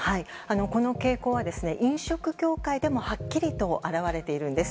この傾向は、飲食業界でもはっきりと表れているんです。